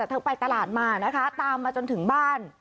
เธอไปตลาดมานะคะตามมาจนถึงบ้าน